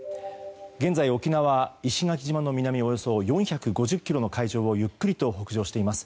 現在、沖縄・石垣島の南およそ４５０ｋｍの海上をゆっくりと北上しています。